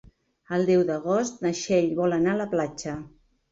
El deu d'agost na Txell vol anar a la platja.